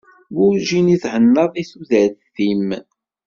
Werǧin i thennaḍ deg tudert-im.